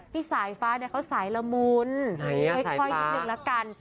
ที่สายฟ้าเนี้ยเขาสายละมูลไหนอ่ะสายฟ้าค่อยนิดหนึ่งแล้วกัน